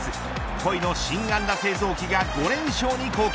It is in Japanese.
コイの新安打製造機が５連勝に貢献。